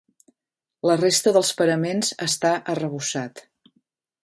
La resta dels paraments està arrebossat.